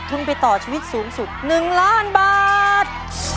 ทุนไปต่อชีวิตสูงสุด๑ล้านบาท